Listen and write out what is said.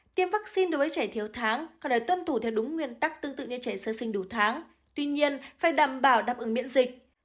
tiêm vaccine đối với trẻ thiếu tháng còn lại tuân thủ theo đúng nguyên tắc tương tự như trẻ sơ sinh đủ tháng tuy nhiên phải đảm bảo đáp ứng miễn dịch